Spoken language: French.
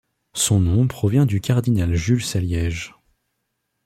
Son nom provient du Cardinal Jules Saliège.